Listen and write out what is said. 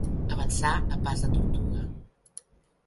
Avançar a pas de tortuga.